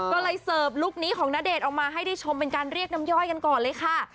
ก็เลยเสิร์ฟลุคนี้ของณเดชน์ออกมาให้ได้ชมเป็นการเรียกน้ำย่อยกันก่อนเลยค่ะ